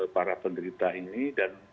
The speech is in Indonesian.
para penderita ini dan